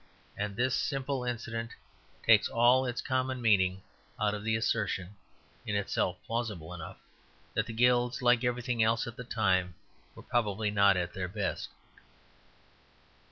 And this simple incident takes all its common meaning out of the assertion (in itself plausible enough) that the Guilds, like everything else at that time, were probably not at their best.